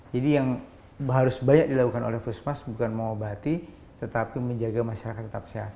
jadi yang harus banyak dilakukan oleh puskesmas bukan mengobati tetapi menjaga masyarakat tetap sehat